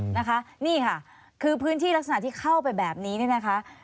นะคะนี่ค่ะคือพื้นที่ลักษณะที่เข้าไปแบบนี้เนี่ยนะคะ